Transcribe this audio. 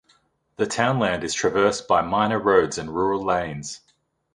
The townland is traversed by minor roads and rural lanes.